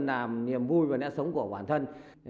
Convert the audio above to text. làm niềm vui và nét sống của bản thân